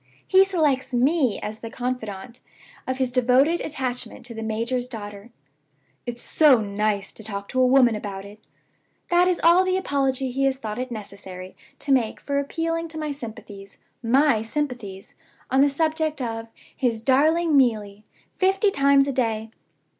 he selects ME as the confidante of his devoted attachment to the major's daughter! 'It's so nice to talk to a woman about it!' That is all the apology he has thought it necessary to make for appealing to my sympathies my sympathies! on the subject of 'his darling Neelie,' fifty times a day.